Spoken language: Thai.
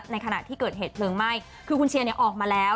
ในขณะที่เกิดเหตุเพลิงไหม้คือคุณเชียร์เนี่ยออกมาแล้ว